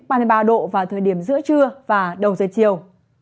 phổ biến từ ba mươi ba mươi ba độ vào thời điểm giữa trưa và đầu giờ chiều